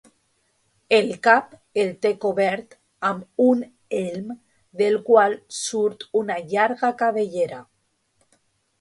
El cap el té cobert amb un elm del qual surt una llarga cabellera.